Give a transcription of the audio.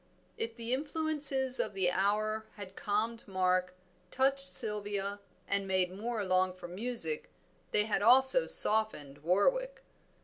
If the influences of the hour had calmed Mark, touched Sylvia, and made Moor long for music, they had also softened Warwick.